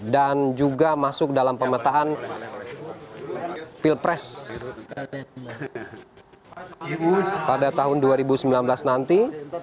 dan juga masuk dalam pemetaan pilpres pada tahun dua ribu sembilan belas nanti